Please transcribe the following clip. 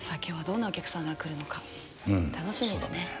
今日はどんなお客さんが来るのか楽しみだね。